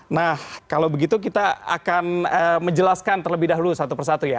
nah kalau begitu kita akan menjelaskan terlebih dahulu satu persatu ya